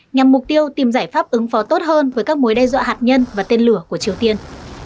nhằm mục tiêu tìm giải pháp ứng phó tốt hơn với các mối đe dọa hạt nhân và tên lửa của triều tiên